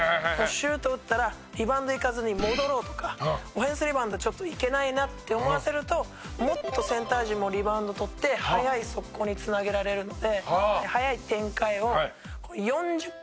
シュート打ったらリバウンド行かずに戻ろうとかオフェンスリバウンドちょっと行けないなって思わせるともっとセンター陣もリバウンド取って速い速攻に繋げられるので。